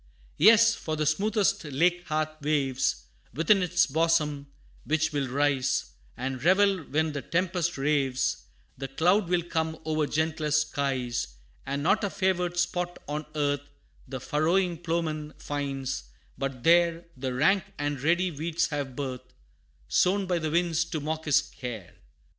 Yes, for the smoothest lake hath waves Within its bosom, which will rise And revel when the tempest raves; The cloud will come o'er gentlest skies; And not a favored spot on earth, The furrowing ploughman finds, but there The rank and ready weeds have birth, Sown by the winds to mock his care.